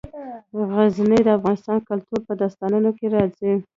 غزني د افغان کلتور په داستانونو کې راځي.